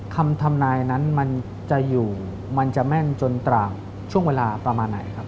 คำทำนายนั้นมันจะอยู่มันจะแม่นจนต่างช่วงเวลาประมาณไหนครับ